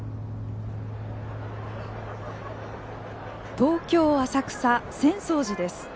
東京・浅草、浅草寺です。